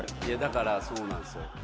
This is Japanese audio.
いやだからそうなんですよ。